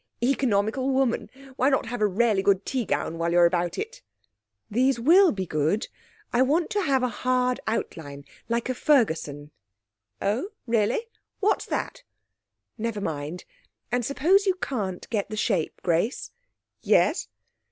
'Economical woman! Why not have a really good tea gown while you're about it?' 'These will be good. I want to have a hard outline like a Fergusson.' 'Oh, really? What's that?' 'Never mind. And suppose you can't get the shape, Grace.' 'Yes?'